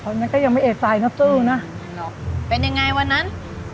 ของนั้นก็ยังไม่เอเจอเป็นอย่างไรว่ะนั้น